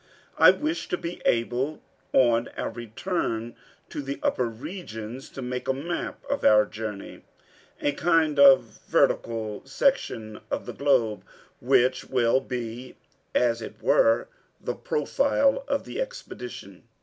I wish to be able on our return to the upper regions to make a map of our journey, a kind of vertical section of the globe, which will be, as it were, the profile of the expedition."